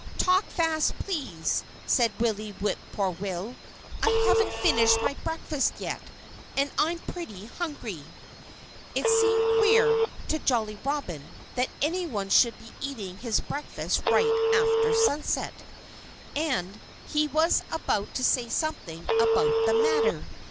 "Talk fast, please!" said Willie Whip poor will. "I haven't finished my breakfast yet. And I'm pretty hungry." It seemed queer, to Jolly Robin, that anyone should be eating his breakfast right after sunset. And he was about to say something about the matter.